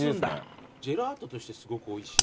ジェラートとしてすごくおいしい。